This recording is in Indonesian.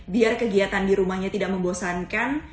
biar kegiatan di rumahnya tidak membosankan